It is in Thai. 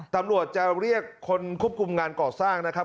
ตำรวจจะเรียกคนควบคุมงานก่อสร้างนะครับ